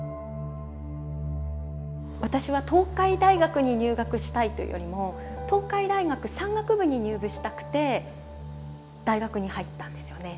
私は東海大学に入学したいというよりも東海大学山岳部に入部したくて大学に入ったんですよね。